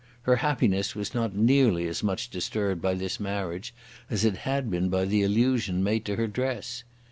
Her happiness was not nearly as much disturbed by this marriage as it had been by the allusion made to her dress.